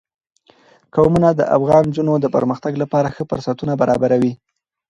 قومونه د افغان نجونو د پرمختګ لپاره ښه فرصتونه برابروي.